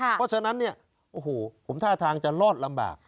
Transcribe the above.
เพราะฉะนั้นเนี่ยโอ้โหผมท่าทางจะรอดลำบาก